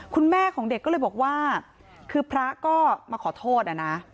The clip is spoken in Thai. คุณแม่ของเด็กก็เลยบอกว่าคือพระก็มาขอโทษนะ